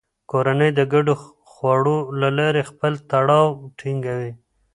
کورنۍ د ګډو خوړو له لارې خپل تړاو ټینګوي